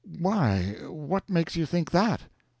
Why, what makes you think that?